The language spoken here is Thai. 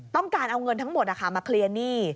ต้องการเอาเงินทั้งหมดมาเคลียร์หนี้